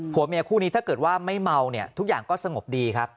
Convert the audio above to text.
เมียคู่นี้ถ้าเกิดว่าไม่เมาเนี่ยทุกอย่างก็สงบดีครับ